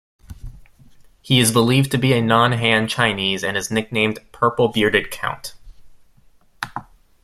He is believed to be a non-Han Chinese and is nicknamed "Purple Bearded Count".